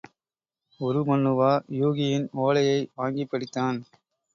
உருமண்ணுவா, யூகியின் ஒலையை வாங்கிப் படித்தான்.